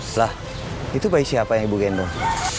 setelah itu bayi siapa yang ibu gendong